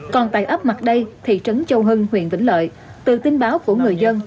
còn tại ấp mặt đây thị trấn châu hưng huyện vĩnh lợi từ tin báo của người dân